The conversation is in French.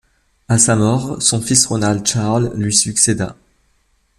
À sa mort, son fils Ronald Charles lui succéda.